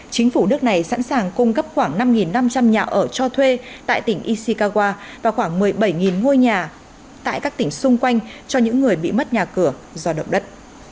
chính phủ nước này sẵn sàng cung cấp khoảng năm năm trăm linh nhà ở cho thuê tại tỉnh ishikawa và khoảng một mươi bảy ngôi nhà tại các tỉnh xung quanh cho những người bị mất nhà cửa do động đất